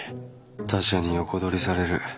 他社に横取りされる。